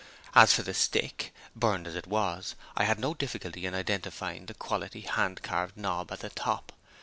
As for the stick, burned as it was, I had no difficulty in identifying the quaintly carved knob at the top.